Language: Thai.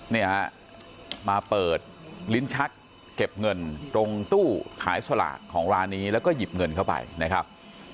เนี่ยฮะมาเปิดลิ้นชักเก็บเงินตรงตู้ขายสลากของร้านนี้แล้วก็หยิบเงินเข้าไปนะครับ